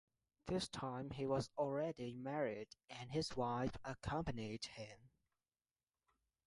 This time, he was already married and his wife accompanied him.